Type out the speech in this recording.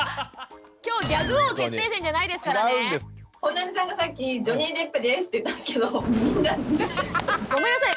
今日本並さんがさっき「ジョニー・デップです」って言ったんですけどごめんなさい。